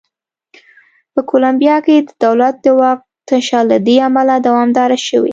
په کولمبیا کې د دولت د واک تشه له دې امله دوامداره شوې.